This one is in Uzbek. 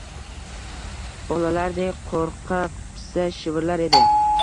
Bolalardek qo’rqa-pisa shivirlar edi: